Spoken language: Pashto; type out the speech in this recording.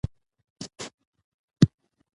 ډيپلومات د خبرو پر مهال متانت ښيي.